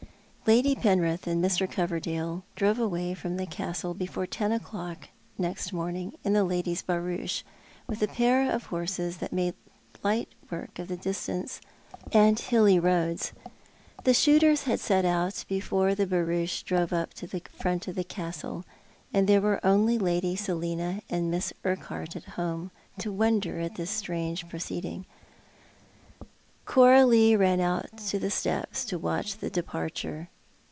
Lady Penrith and Mr. Coverdale drove away from the Castle before ten o'clock next morning in the lady's barouche, with a pair of horses that made light work of distance or of hilly 240 ThoiL art the Ulan. roads. The shooters had set out before the barouche drove up to the front of the Castle ; and there were only Lady Seliua 4ind Miss Drquhart at home to wonder at this strange pro ceeding. Coralie ran out to the steps to watch the departure.